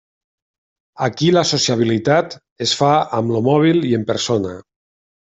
Aquí la sociabilitat es fa amb el mòbil i en persona.